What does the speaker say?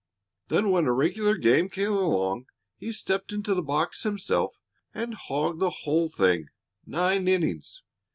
Then when a regular game came along he stepped into the box himself and hogged the whole thing nine innings.